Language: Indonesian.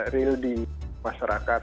real di masyarakat